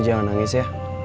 lo jangan nangis ya